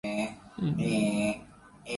اسلام کو نئے پن کی نہیں، تجدید کی ضرورت ہو تی ہے۔